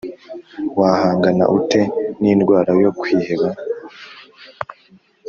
Wahangana ute n indwara yo kwiheba